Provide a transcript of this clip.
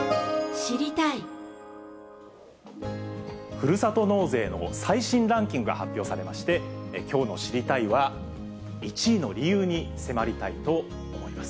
ふるさと納税の最新ランキングが発表されまして、きょうの知りたいッ！は１位の理由に迫りたいと思います。